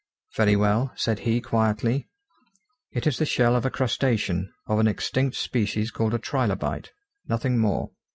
"Very well," said he quietly, "it is the shell of a crustacean, of an extinct species called a trilobite. Nothing more."